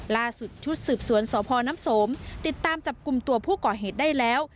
ล่าสุดชุดสืบสวนสพน้ำสมติดตามจับกลุ่มตัวผู้ก่อเหตุได้แล้ว